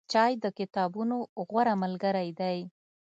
چای د کتابونو غوره ملګری دی.